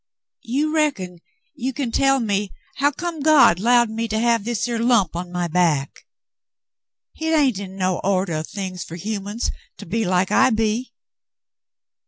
"You reckon you can tell me hu' come God 'lowed me to have this er lump on my back ? Hit hain't in no ordeh o' things fer humans to be like I be."